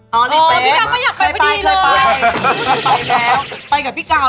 เหง่าววววววว